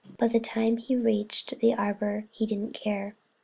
But by the time he reached the Arbor he didn't dare.